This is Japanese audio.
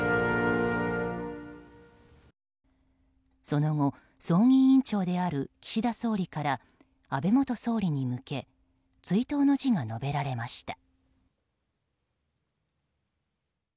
その後、葬儀委員長である岸田総理から安倍元総理に向け追悼の辞が述べられました。